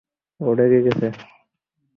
ও রেগে আছে।